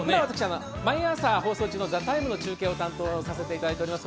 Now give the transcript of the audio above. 毎朝放送中の「ＴＨＥＴＩＭＥ，」の中継を担当させていただいております。